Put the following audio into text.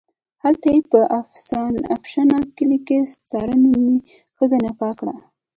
هلته یې په افشنه کلي کې ستاره نومې ښځه نکاح کړه.